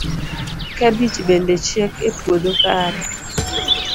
kabich bende chiek e puothu kare